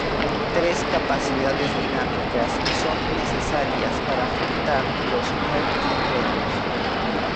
Tres capacidades dinámicas son necesarias para afrontar los nuevos retos.